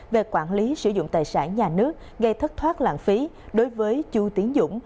về quản lý sử dụng tài sản nhà nước gây thất thoát lãng phí đối với chu tiến dũng